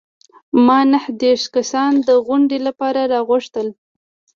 ما نهه دیرش کسان د غونډې لپاره راوغوښتل.